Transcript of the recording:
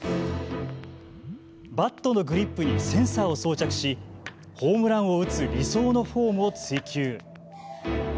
バットのグリップにセンサーを装着し、ホームランを打つ理想のフォームを追求。